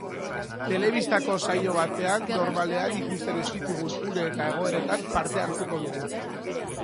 Telebistako saio batean normalean ikusten ez ditugun une eta egoeretan parte hartuko dugu.